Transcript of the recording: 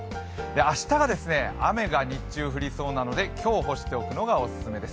明日が、雨が日中降りそうなので今日、干しておくのがおすすめです。